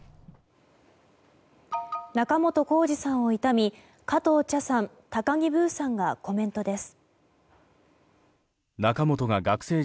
仲本工事さんを悼み加藤茶さん高木ブーさんがコメントです。